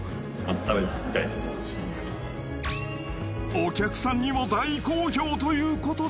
［お客さんにも大好評ということで］